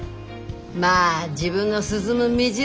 まあ自分の進む道だ。